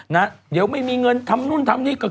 นะเดี๋ยวไม่มีเงินทำนู่นทำนี่ก็